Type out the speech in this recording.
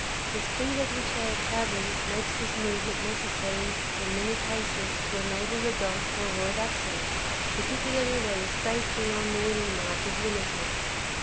The speed at which they are travelling makes this movement necessary in many cases to enable the dog to avoid accident, particularly where the space beyond the winning mark is limited.